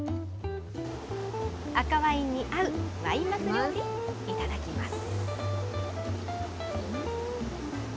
赤ワインに合うワイン鱒料理、頂きます。